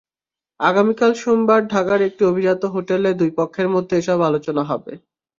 আগামীকাল সোমবার ঢাকার একটি অভিজাত হোটেলে দুই পক্ষের মধ্যে এসব আলোচনা হবে।